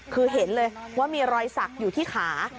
คือเห็นเลยว่ามีรอยสักอยู่ที่ขา